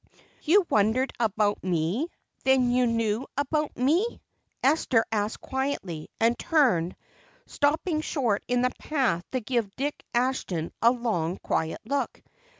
"You wondered about me; then you knew about me?" Esther asked quietly, and turned, stopping short in the path to give Dick Ashton a long, quiet look.